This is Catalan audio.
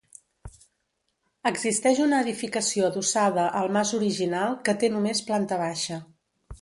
Existeix una edificació adossada al mas original que té només planta baixa.